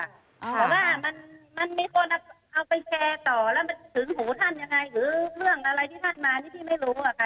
แต่ว่ามันมีคนเอาไปแชร์ต่อแล้วมันถึงหูท่านยังไงหรือเรื่องอะไรที่ท่านมานี่พี่ไม่รู้อะค่ะ